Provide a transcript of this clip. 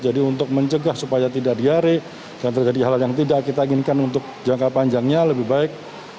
jadi untuk mencegah supaya tidak diari dan terjadi hal yang tidak kita inginkan untuk jangka panjangnya lebih baik